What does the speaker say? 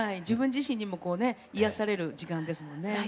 自分自身にもこうね癒やされる時間ですもんね。